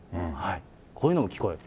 こういうのも聞こえる。